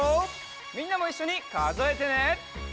みんなもいっしょにかぞえてね！